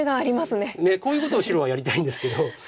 ねえこういうことを白はやりたいんですけど。